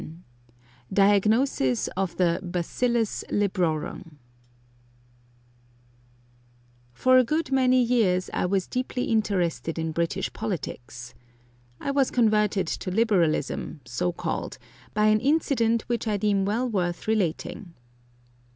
XI DIAGNOSIS OF THE BACILLUS LIBRORUM For a good many years I was deeply interested in British politics. I was converted to Liberalism, so called, by an incident which I deem well worth relating.